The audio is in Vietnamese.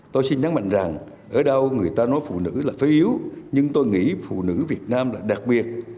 tôi xin nhắn mạnh rằng ở đâu người ta nói phụ nữ là phế yếu nhưng tôi nghĩ phụ nữ việt nam là đặc biệt